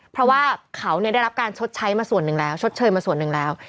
เพราะว่าเขาได้รับการชดใช้มาส่วนหนึ่งแล้วชดเชยมาส่วนหนึ่งแล้ว